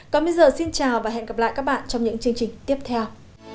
còn bây giờ xin chào và hẹn gặp lại các bạn trong những chương trình tiếp theo